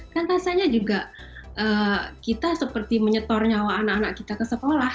kan rasanya juga kita seperti menyetor nyawa anak anak kita ke sekolah